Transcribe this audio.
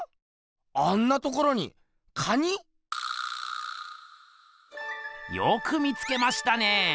あんなところに蟹⁉よく見つけましたね！